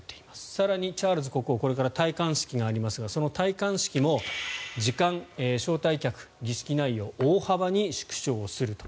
更に、チャールズ国王これから戴冠式がありますがその戴冠式も時間、招待客、儀式内容大幅に縮小すると。